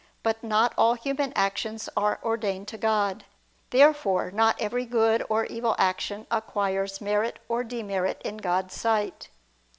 But not all human actions are ordained to God. Therefore not every good or evil action acquires merit or demerit in God's sight.